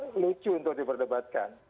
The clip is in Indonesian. menuju untuk diperdebatkan